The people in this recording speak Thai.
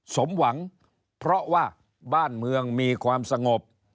สมหวังเพราะว่าบ้านเมืองมีความสงบ